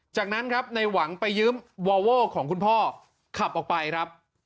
จากนั้นครับในหวังไปยืมวอลโว้ของคุณพ่อขับออกไปครับ